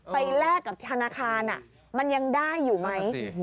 แลกกับธนาคารมันยังได้อยู่ไหม